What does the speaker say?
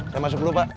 saya masuk dulu pak